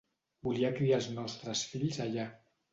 Volia criar els nostres fills allà.